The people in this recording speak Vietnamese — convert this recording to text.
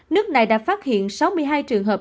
nước này đã phát hiện sáu mươi hai trường hợp